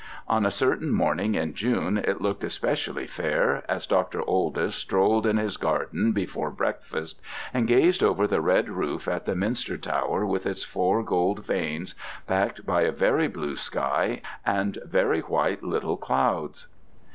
On a certain morning in June it looked especially fair, as Dr. Oldys strolled in his garden before breakfast and gazed over the red roof at the minster tower with its four gold vanes, backed by a very blue sky, and very white little clouds.